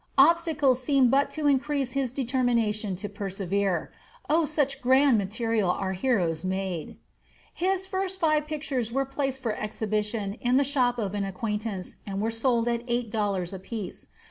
Obstacles seemed but to increase his determination to persevere. Of such grand material are heroes made! His first five pictures were placed for exhibition in the shop of an acquaintance, and were sold at eight dollars apiece.